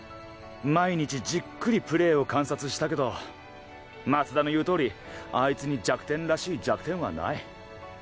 毎日じっくりプレーを観察したけど松田の言う通りあいつに弱点らしい弱点はない。